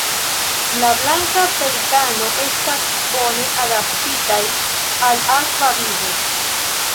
La Blanka pelikano estas bone adaptitaj al akva vivo.